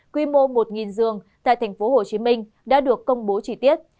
quy mô một giường tại tp hcm đã được công bố trí tiết